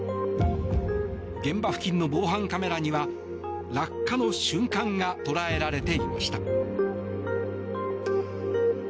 現場付近の防犯カメラには落下の瞬間が捉えられていました。